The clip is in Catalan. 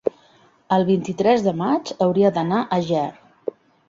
el vint-i-tres de maig hauria d'anar a Ger.